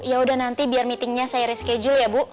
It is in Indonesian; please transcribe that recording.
ya udah nanti biar meetingnya saya reschedule ya bu